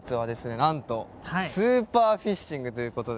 なんとスーパーフィッシングということで。